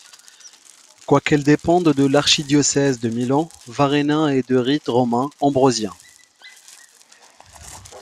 Quoiqu'elle dépende de l'archidiocèse de Milan, Varenna est de rite romain ambrosien.